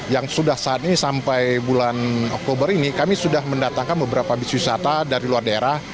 yang sudah saat ini sampai bulan oktober ini kami sudah mendatangkan beberapa bis wisata dari luar daerah